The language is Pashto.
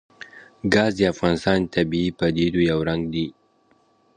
ګاز د افغانستان د طبیعي پدیدو یو رنګ دی.